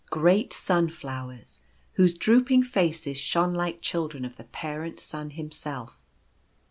Great Sunflowers, whose drooping faces shone like children of the parent Sun himself.